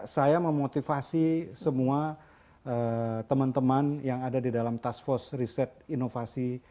saya memotivasi semua teman teman yang ada di dalam task force riset inovasi